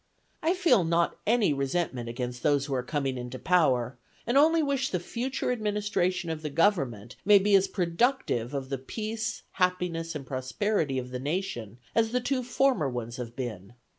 I feel not any resentment against those who are coming into power, and only wish the future administration of the government may be as productive of the peace, happiness, and prosperity of the nation, as the two former ones have been.